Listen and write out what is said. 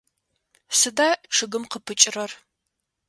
Сыда чъыгым къыпыкӏэрэр?